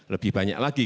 lebih banyak lagi